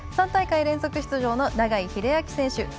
３大会連続出場の永井秀昭選手